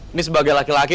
ini sebagai laki laki